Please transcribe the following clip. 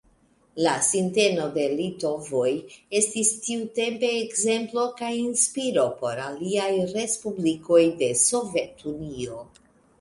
La sinteno de litovoj estis tiutempe ekzemplo kaj inspiro por aliaj respublikoj de Sovetunio.